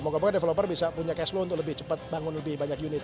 moga moga developer bisa punya cash flow untuk lebih cepat bangun lebih banyak unit